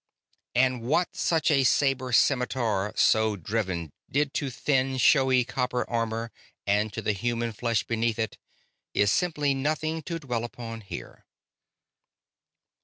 And what such a saber scimitar, so driven, did to thin, showy copper armor and to the human flesh beneath it, is simply nothing to dwell upon here.